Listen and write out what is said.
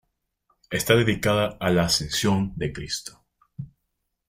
Esta dedicada a la Ascensión de Cristo.